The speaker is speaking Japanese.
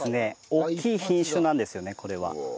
大きい品種なんですよねこれは。